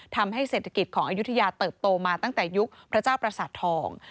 ทำให้เศรษฐกิจของอายุทยาเติบโตมาตั้งแต่ยุคพระเจ้าประสาททอง